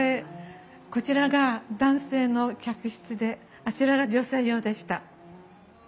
こちらが男性の客室であちらが女性用でした。